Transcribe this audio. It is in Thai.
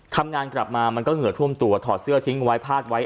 ทำงานกลับมามันก็เหงื่อท่วมตัวถอดเสื้อทิ้งไว้พาดไว้